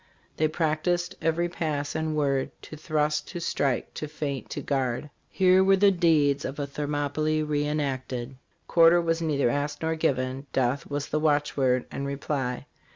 '' They practiced every pass and word To thrust, to strike, to feint, to guard. "Here were the deeds of a Thermopylae re enacted. Quarter was neither asked nor given 'death was the watchword and reply.